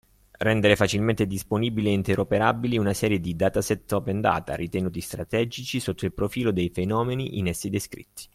Rendere facilmente disponibili e interoperabili una serie di dataset Open Data ritenuti strategici sotto il profilo dei fenomeni in essi descritti.